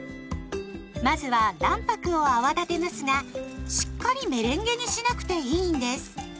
まずは卵白を泡立てますがしっかりメレンゲにしなくていいんです。